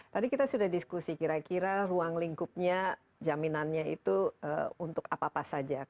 tadi kita sudah diskusi kira kira ruang lingkupnya jaminannya itu untuk apa apa saja